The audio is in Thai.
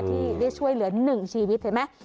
ที่ได้ช่วยเหลือ๑ชีวิตเห็นไหม